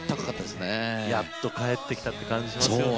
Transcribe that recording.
やっと帰ってきたって感じしますよね。